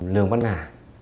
lường văn hà